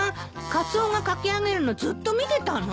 カツオが描き上げるのずっと見てたの？